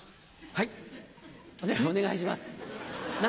はい。